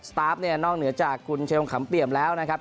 ตาร์ฟเนี่ยนอกเหนือจากคุณเชลขำเปี่ยมแล้วนะครับ